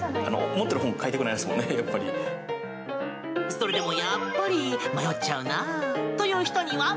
それでもやっぱり迷っちゃうなという人には。